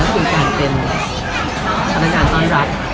ก็คือการเป็นคุณภีราการต้องรับ